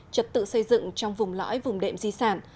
trật tự xây dựng trong vùng lõi vùng đệm di sản